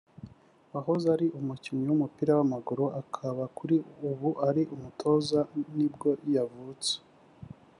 wahoze ari umukinnyi w’umupira w’amaguru akaba kuri ubu ari umutoza nibwo yavutse